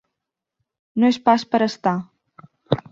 No és pas per estar.